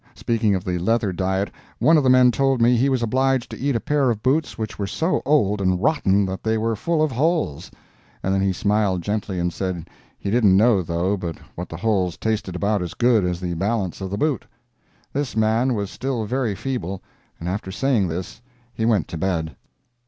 Speaking of the leather diet, one of the men told me he was obliged to eat a pair of boots which were so old and rotten that they were full of holes; and then he smiled gently and said he didn't know, though, but what the holes tasted about as good as the balance of the boot. This man was still very feeble, and after saying this he went to bed.